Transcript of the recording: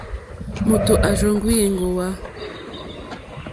Mòtò à rzóŋwí èŋɡòwá.